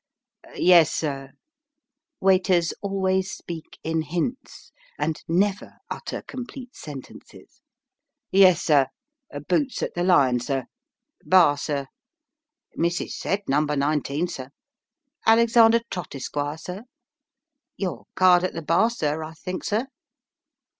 " Yes, sir," (waiters always speak in hints, and never utter com plete sentences,) "yes, sir Boots at the Lion, sir, Bar, sir, Missis said number nineteen, sir Alexander Trott, Esq., sir ? Your card at the bar, sir, I think, sir